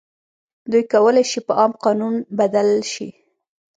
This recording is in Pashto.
دوی کولای شي په عام قانون بدل شي.